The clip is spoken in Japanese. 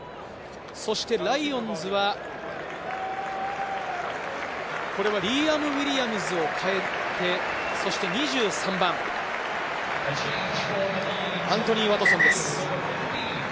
そしてライオンズは、リーアム・ウィリアムズを代えて、２３番アントニー・ワトソンです。